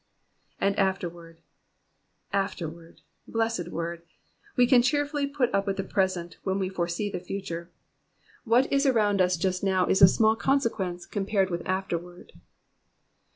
^^And qfterward,^^ Afterward !" Blessed word. We can cheerfully put up with the present, when we foresee the future. What is around us just now is of small conse quence, compared with afterward.